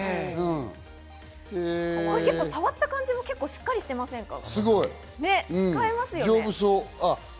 触った感じも結構しっかりしていませんか？